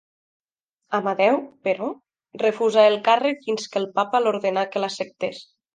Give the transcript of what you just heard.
Amadeu, però, refusà el càrrec fins que el papa l'ordenà que l'acceptés.